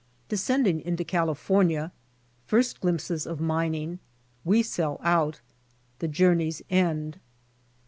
— descending into california. first glimpses op mining. — we sell out. — the journey's end.